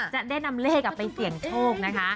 จะแนะนำเลขออกไปเสี่ยงโธ่งนะคะ